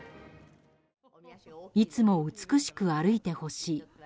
いつも美しく歩いてほしい。